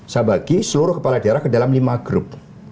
saya bagi seluruh kepala daerah ke dalam lima grup